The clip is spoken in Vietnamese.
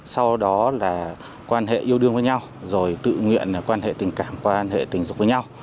sau đó là quan hệ yêu đương với nhau rồi tự nguyện quan hệ tình cảm quan hệ tình dục với nhau